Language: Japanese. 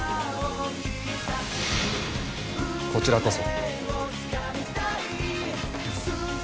こちらこそ。